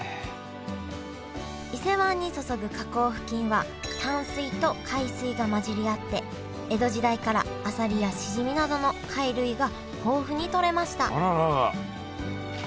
伊勢湾に注ぐ河口付近は淡水と海水が混じり合って江戸時代からあさりやしじみなどの貝類が豊富にとれました